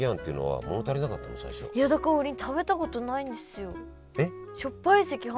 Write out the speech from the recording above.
いやだから王林食べたことないんですよ。え！？